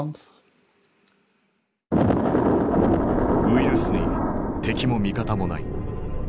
ウイルスに敵も味方もない。